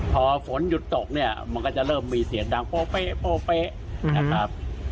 พอฝนหยุดตกเนี่ยมันก็จะเริ่มมีเสียงดังโป๊เป๊ะนะครับ